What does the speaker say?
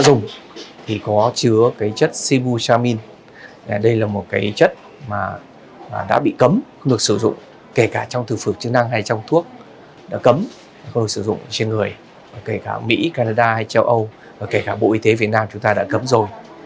bệnh nhân có chứa chất sibutramine đây là một chất đã bị cấm không được sử dụng kể cả trong thực phực chức năng hay trong thuốc đã cấm không được sử dụng trên người kể cả mỹ canada hay châu âu kể cả bộ y tế việt nam chúng ta đã cấm rồi